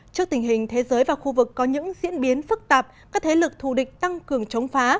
trước tình hình thế giới và khu vực có những diễn biến phức tạp các thế lực thù địch tăng cường chống phá